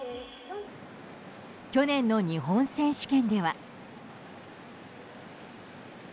去年の日本選手権では。